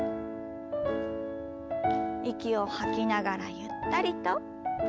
息を吐きながらゆったりと。